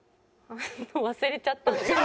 忘れちゃったんですけど。